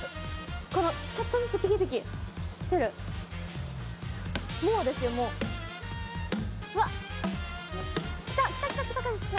このちょっとずつピキピキきてるうわっきたきたきた